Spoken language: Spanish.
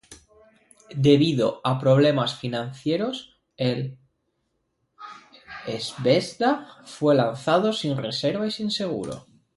Debido a problemas financieros, el "Zvezda" fue lanzado sin reserva y sin seguro.